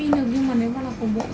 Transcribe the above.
em in được nhưng mà nếu mà là của bộ